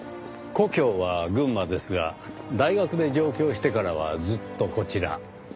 故郷は群馬ですが大学で上京してからはずっとこちら。